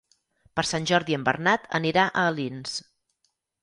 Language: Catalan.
Per Sant Jordi en Bernat anirà a Alins.